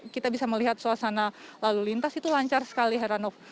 kita bisa melihat suasana lalu lintas itu lancar sekali heranov